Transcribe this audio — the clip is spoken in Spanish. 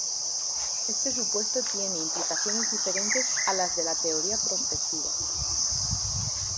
Este supuesto tiene implicaciones diferentes a las de la teoría prospectiva.